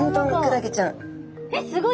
えっすごい！